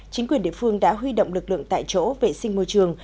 chính quyền địa phương đã huy động lực lượng tại chỗ vệ sinh môi trường